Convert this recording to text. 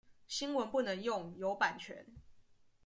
新聞不能用，有版權